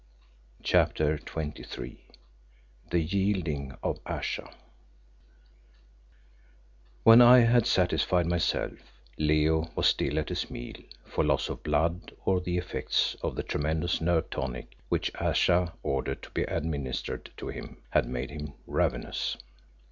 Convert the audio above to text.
CHAPTER XXIII THE YIELDING OF AYESHA When I had satisfied myself, Leo was still at his meal, for loss of blood or the effects of the tremendous nerve tonic which Ayesha ordered to be administered to him, had made him ravenous.